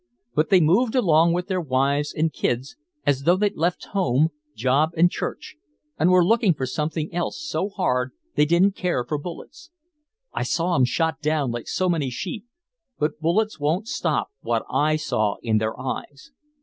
But they moved along with their wives and kids as though they'd left home, job and church, and were looking for something else so hard they didn't care for bullets. I saw 'em shot down like so many sheep. But bullets won't stop what I saw in their eyes.